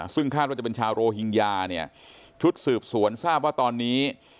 ซึ่งคาดว่าจะเป็นชาวโรฮิงญาเนี่ยชุดสืบสวนทราบว่าตอนนี้